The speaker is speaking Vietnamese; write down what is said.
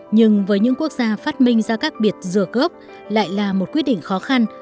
nhưng với những quốc gia phát minh ra các biệt dừa gốc lại là một quyết định khó khăn